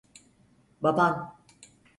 Baban.